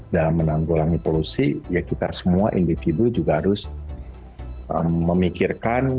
dan menanggulangi polusi ya kita semua individu juga harus memikirkan